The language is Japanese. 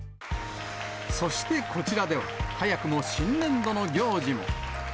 そしてこちらでは、早くも新年度の行事も。